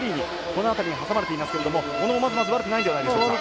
この辺りにはさまれていますけれども小野も、まずまず悪くないんではないでしょうか。